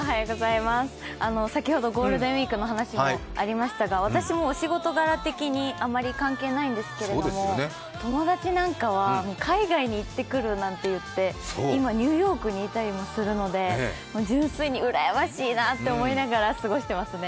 先ほどゴールデンウイークのお話もありましたが私もお仕事柄的にあまり関係ないんですけど友達なんかは海外に行ってくるなんて言って今ニューヨークにいたりもするので、純粋にうらやましいなと思いながら過ごしていますね。